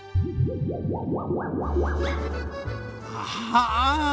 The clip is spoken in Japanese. ああ！